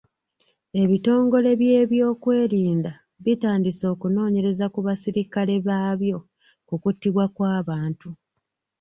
Ebitongole by'ebyokwerinda bitandise okunoonyereza ku baserikale baabyo ku kuttibwa kw'abantu.